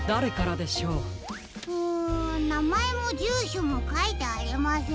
なまえもじゅうしょもかいてありません。